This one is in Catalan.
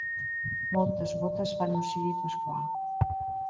Moltes gotes fan un ciri pasqual.